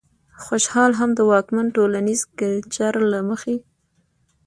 خوشال هم د واکمن ټولنيز کلچر له مخې